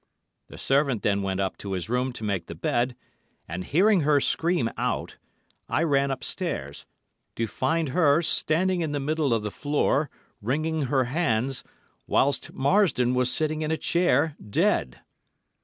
The servant then went up to his room to make the bed, and hearing her scream out, I ran upstairs, to find her standing in the middle of the floor, wringing her hands, whilst Marsdon was sitting in a chair—dead!